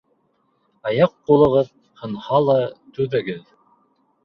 Аяҡ-ҡулығыҙ һынһа ла түҙегеҙ.